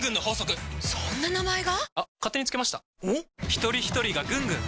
ひとりひとりがぐんぐん！